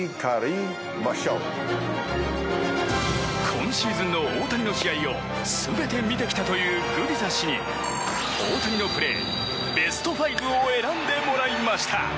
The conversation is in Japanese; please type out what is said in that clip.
今シーズンの大谷の試合を全て見てきたというグビザ氏に大谷のプレー、ベスト５を選んでもらいました。